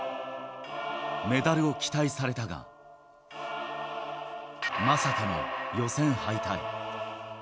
メダルを期待されたが、まさかの予選敗退。